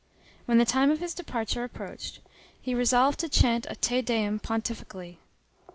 When the time of his departure approached, he resolved to chant a Te Deum pontifically.